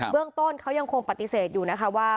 เรื่องต้นเขายังคงปฏิเสธอยู่นะคะว่า